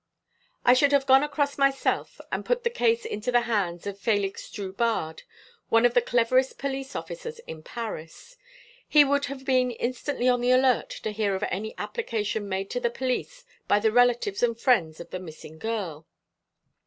"I should have gone across myself and put the case into the hands of Félix Drubarde, one of the cleverest police officers in Paris. He would have been instantly on the alert to hear of any application made to the police by the relatives and friends of the missing girl.